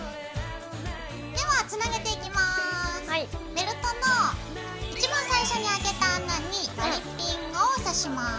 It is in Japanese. ベルトの一番最初にあけた穴に割りピンをさします。